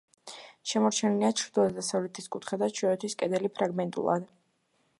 შემორჩენილია ჩრდილო-დასავლეთის კუთხე და ჩრდილოეთის კედელი ფრაგმენტულად.